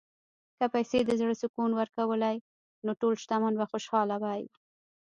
که پیسې د زړه سکون ورکولی، نو ټول شتمن به خوشاله وای.